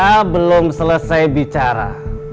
dia belum selesai bicara